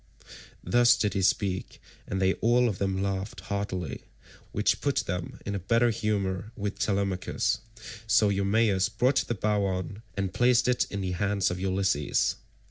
Thus did he speak, and they all of them laughed heartily, which put them in a better humour with Telemachus; so Eumaeus brought the bow on and placed it in the hands of Ulysses.